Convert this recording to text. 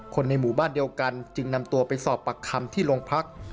ในหมู่บ้านเดียวกันจึงนำตัวไปสอบปากคำที่โรงพัก